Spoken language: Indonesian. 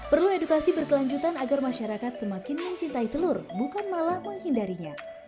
perlu edukasi berkelanjutan agar masyarakat semakin mencintai telur bukan malah menghindarinya